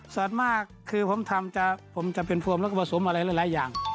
ส่วนมากคือผมทำจะเป็นโฟมและประสมอะไรหลายอย่าง